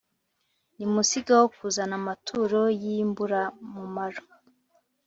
Nimusigeho kuzana amaturo y’imburamumaro,